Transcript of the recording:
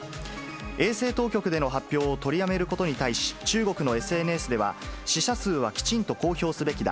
衛生当局での発表を取りやめることに対し中国のＳＮＳでは、死者数はきちんと公表すべきだ。